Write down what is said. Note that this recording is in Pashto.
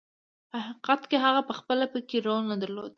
په حقیقت کې هغه پخپله پکې رول نه درلود.